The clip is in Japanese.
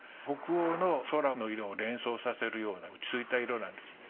北欧の空の色を連想させるような落ち着いた色なんです。